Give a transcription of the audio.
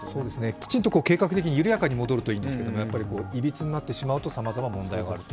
きちんと計画的に緩やかに戻るといいんですけどやっぱりいびつになってしまうとさまざま問題があると。